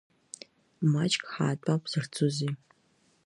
Маҷк ҳаатәап захьӡузеи!